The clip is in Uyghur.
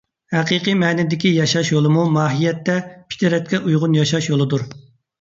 ھەقىقىي مەنىدىكى ياشاش يولىمۇ ماھىيەتتە پىترەتكە ئۇيغۇن ياشاش يولىدۇر.